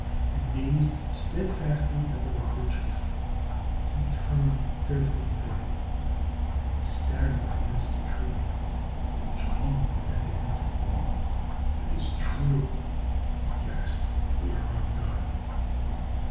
and gazed steadfastly at the robber chief. He turned deadly pale, and staggered against a tree, which alone prevented him from falling. "It is true!" he gasped. "We are undone!